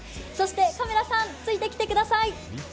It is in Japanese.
カメラさん、ついてきてください。